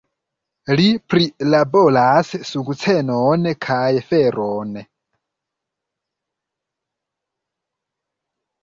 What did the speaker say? Li prilaboras sukcenon kaj feron.